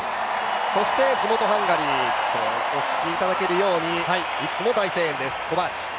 地元ハンガリーお聞きいただけるように、いつも大声援です、コバーチ。